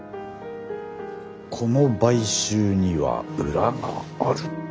この買収には裏がある？